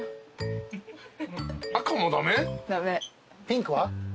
ピンクは？